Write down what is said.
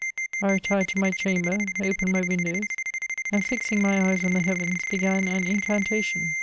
I retired to my chamber, opened my windows, and fixing my eyes on the heavens, began an incan tation.